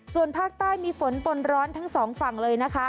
ส่วนภาคใต้มีฝนปนร้อนทั้งสองฝั่งเลยนะคะ